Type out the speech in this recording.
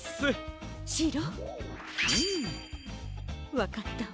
わかったわ。